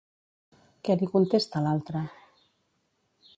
Què li contesta l'altre?